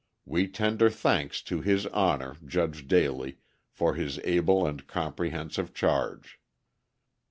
We tender thanks to his Honour, Judge Daley, for his able and comprehensive charge."